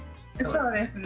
そうですね。